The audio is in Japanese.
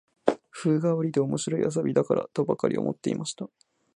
風変わりで面白い遊びだから、とばかり思っていました